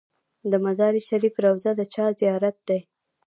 د مزار شریف روضه د چا زیارت دی؟